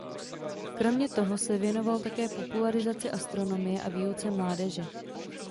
Kromě toho se věnovala také popularizaci astronomie a výuce mládeže.